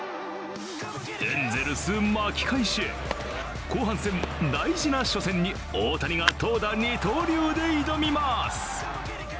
エンゼルス巻き返しへ後半戦、大事な初戦に大谷が投打二刀流で挑みます。